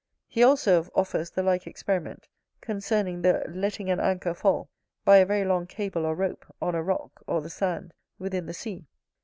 He also offers the like experiment concerning the letting an anchor fall, by a very long cable or rope, on a rock, or the sand, within the sea.